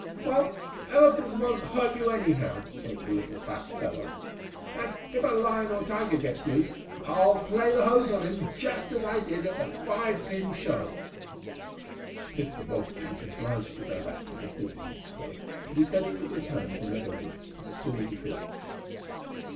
"Well, elephants won't hurt you, anyhow," spoke the little fat fellow. "And if a lion or tiger gets loose, I'll play the hose on him, just as I did at The Five Pin Show." Mr. Bobbsey was obliged to go back to the city next day, but he said he would return to Meadow Brook as soon as he could.